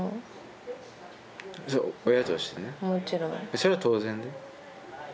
それは当然だよ。